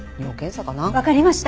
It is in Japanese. わかりました。